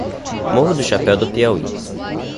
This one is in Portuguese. Morro do Chapéu do Piauí